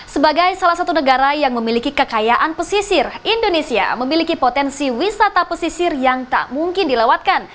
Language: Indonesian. sebagai salah satu negara yang memiliki kekayaan pesisir indonesia memiliki potensi wisata pesisir yang tak mungkin dilewatkan